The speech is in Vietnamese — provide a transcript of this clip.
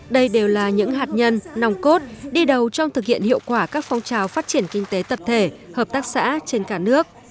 đây đều là những hạt nhân nòng cốt đi đầu trong thực hiện hiệu quả các phong trào phát triển kinh tế tập thể hợp tác xã trên cả nước